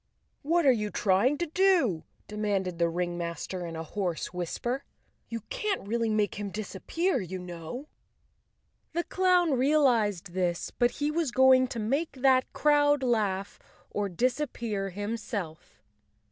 "What are you trying to do?" demanded the ring¬ master in a hoarse whisper. "You can't really make him disappear, you know." The clown realized this, but he was going to make that crowd laugh—or disappear himself.